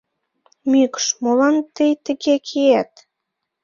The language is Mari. — Мӱкш, молан тый тыге киет?